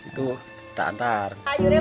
itu kita antar